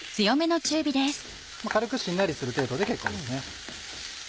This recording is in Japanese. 軽くしんなりする程度で結構ですね。